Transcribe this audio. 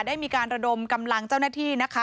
ได้มีการระดมกำลังเจ้าหน้าที่นะคะ